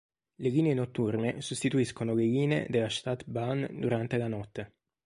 Le line notturne sostituiscono le linee della Stadtbahn durante la notte.